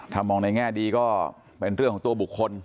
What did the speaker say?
ถ้ามองในแง่ดีก็เป็นเรื่องของตัวบุคคล